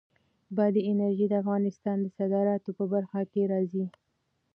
بادي انرژي د افغانستان د صادراتو په برخه کې راځي.